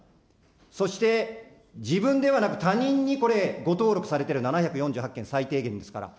そして、自分ではなく他人にこれ、誤登録されてる７４８件、最低限ですから。